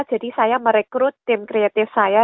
jadi saya merekrut tim kreatif saya